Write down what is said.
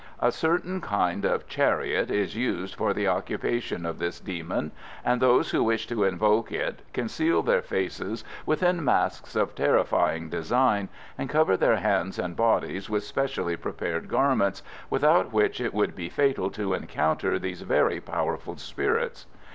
A certain kind of chariot is used for the occupation of this demon, and those who wish to invoke it conceal their faces within masks of terrifying design, and cover their hands and bodies with specially prepared garments, without which it would be fatal to encounter these very powerful spirits.